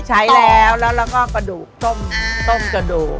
ใช้แล้วแล้วแล้วก็กระดูกส้มกระดูก